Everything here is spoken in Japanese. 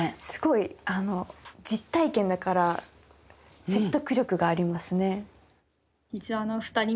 すごい実体験だから説得力がありますね。